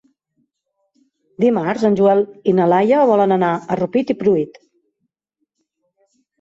Dimarts en Joel i na Laia volen anar a Rupit i Pruit.